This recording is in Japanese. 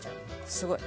すごい。